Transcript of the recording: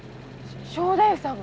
正太夫さんが？